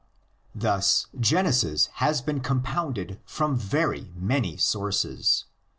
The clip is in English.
Thus Genesis has been compounded from very many sources.